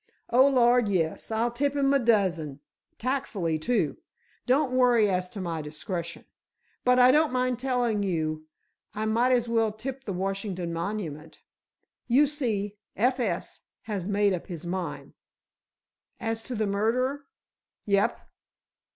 "Oh, lord, yes—I'll tip him a dozen—tactfully, too. Don't worry as to my discretion. But I don't mind telling you I might as well tip the Washington monument. You see, F. S. has made up his mind." "As to the murderer?" "Yep."